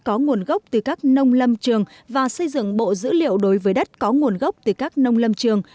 có nguồn gốc từ các nông lâm trường và xây dựng bộ dữ liệu đối với đất có nguồn gốc từ các nông lâm trường